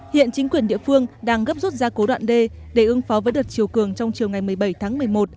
hiện chính quyền địa phương đang gấp rút gia cố đoạn d để ương phó với đợt chiều cường trong chiều ngày một mươi bảy tháng một mươi một